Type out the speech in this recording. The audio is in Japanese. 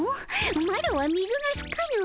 マロは水がすかぬ。